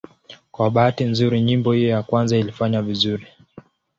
Kwa bahati nzuri nyimbo hiyo ya kwanza ilifanya vizuri.